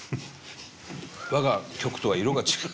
我が局とは色が違う。